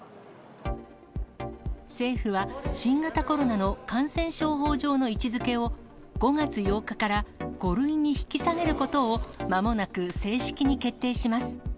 政府は、新型コロナの感染症法上の位置づけを、５月８日から５類に引き下げることをまもなく正式に決定します。